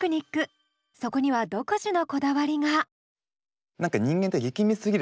そこには独自のこだわりが。